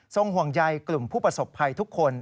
ห่วงใยกลุ่มผู้ประสบภัยทุกคน